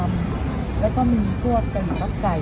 อันนี้เราก็จะเพิ่มมาเป็น๑๐ตัวไส้